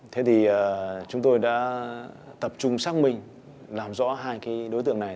thế thì chúng tôi đã tập trung xác minh làm rõ hai cái đối tượng này